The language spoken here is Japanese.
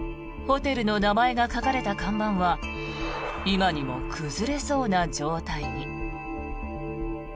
ホテルの名前が書かれた看板は今にも崩れそうな状態に。